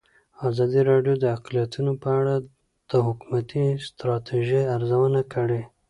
ازادي راډیو د اقلیتونه په اړه د حکومتي ستراتیژۍ ارزونه کړې.